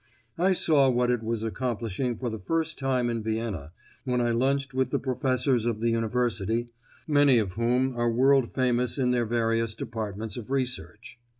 I saw what it was accomplishing for the first time in Vienna, when I lunched with the professors of the University, many of whom are world famous in their various departments of research.